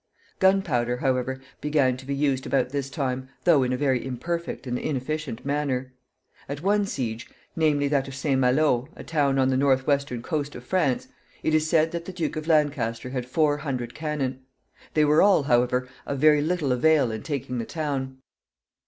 Gunpowder, however, began to be used about this time, though in a very imperfect and inefficient manner. At one siege, namely, that of St. Malo, a town on the northwestern coast of France, it is said that the Duke of Lancaster had four hundred cannon. They were all, however, of very little avail in taking the town.